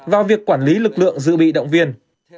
vào việc quản lý lực lượng dự bị động viên